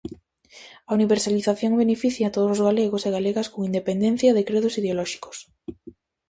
A universalización beneficia a todos os galegos e galegas con independencia de credos ideolóxicos.